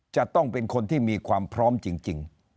จะต้องเป็นคนที่มีความพร้อมจริง